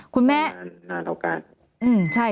คุณแม่นานแล้วกัน